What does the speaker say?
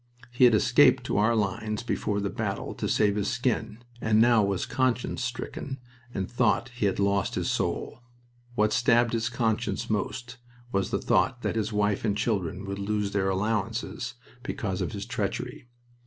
He had escaped to our lines before the battle to save his skin, and now was conscience stricken and thought he had lost his soul. What stabbed his conscience most was the thought that his wife and children would lose their allowances because of his treachery.